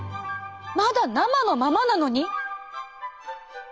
まだ生のままなのに。